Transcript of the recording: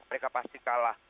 mereka pasti kalah